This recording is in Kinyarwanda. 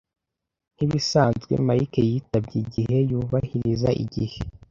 Nkibisanzwe, Mike yitabye igihe. Yubahiriza igihe.